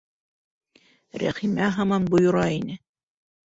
Рәхимә һаман бойора ине: